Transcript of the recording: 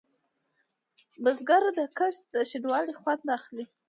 بزګر د کښت د شین والي خوند اخلي